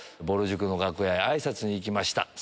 ぼる塾の楽屋へあいさつに行きました。